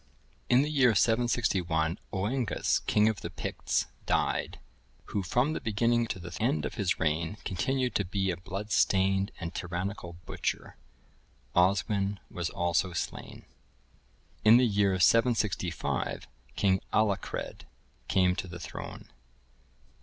In the year 761, Oengus,(1079) king of the Picts, died; who, from the beginning to the end of his reign, continued to be a blood stained and tyrannical butcher; Oswin(1080) was also slain. In the year 765, King Aluchred came to the throne.